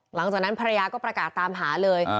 หลังจากนั้นภรรยาก็ประกาศตามหาเลย